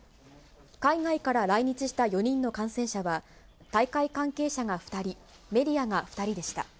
海外から来日した４人の感染者は大会関係者が２人、メディアが２人でした。